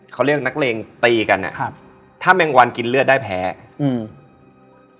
เขาเรียกนักเลงตีกันอ่ะครับถ้าแมงวันกินเลือดได้แพ้อืม